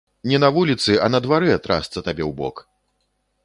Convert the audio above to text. Не на вуліцы, а на дварэ, трасца табе ў бок!